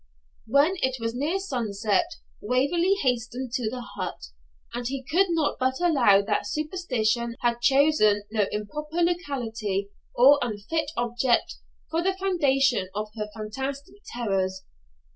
When it was near sunset Waverley hastened to the hut; and he could not but allow that superstition had chosen no improper locality, or unfit object, for the foundation of her fantastic terrors.